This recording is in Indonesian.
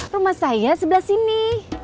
rumah saya sebelah sini